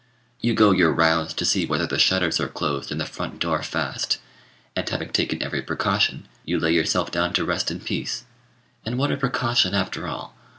You go your rounds to see whether the shutters are closed and the front door fast, and, having taken every precaution, you lay yourself down to rest in peace: and what a precaution after all!